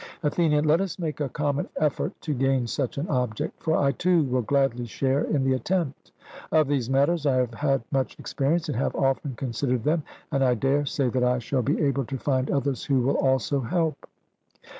ATHENIAN: Let us make a common effort to gain such an object; for I too will gladly share in the attempt. Of these matters I have had much experience, and have often considered them, and I dare say that I shall be able to find others who will also help.